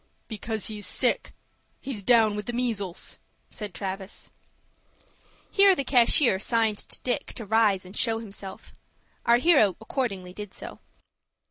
"Because he's sick. He's down with the measles," said Travis. Here the cashier signed to Dick to rise and show himself. Our hero accordingly did so.